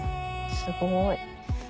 すごい。